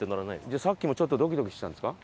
じゃあさっきもちょっとドキドキしてたんですか？